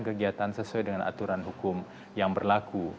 dan kegiatan kegiatan sesuai dengan aturan hukum yang berlaku